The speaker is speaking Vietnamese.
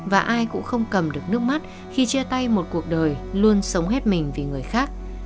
và ai cũng không cầm được nước mắt khi chia tay một cuộc đời luôn sống hết mình vì người khác